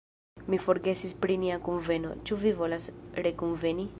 "Mi forgesis pri nia kunveno, ĉu vi volas rekunveni?"